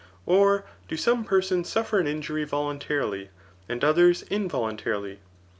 Or do some persons suffer an injury voluntarily, and others involuntarily